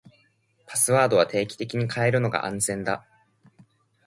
パスワードは定期的に変えるのが安全だ。